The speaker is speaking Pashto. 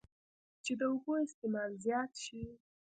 چې د اوبو استعمال زيات شي